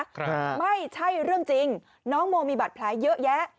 ครับไม่ใช่เรื่องจริงน้องโมมีบัตรแผลเยอะแยะ